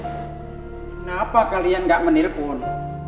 kenapa kalian gak menelpon